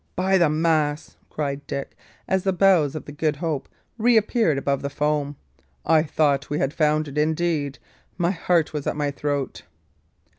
"By the mass!" cried Dick, as the bows of the Good Hope reappeared above the foam, "I thought we had foundered, indeed; my heart was at my throat."